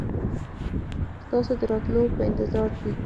ستاسو د راتلو په انتظار دي.